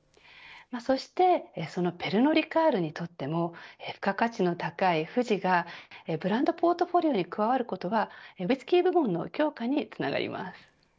そして、そのペルノ・リカールにとっても付加価値の高い富士がブランド・ポートフォリオに加わることはウイスキー部門の強化につながります。